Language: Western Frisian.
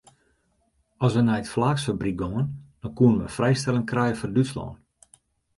As we nei it flaaksfabryk gongen dan koenen we frijstelling krije foar Dútslân.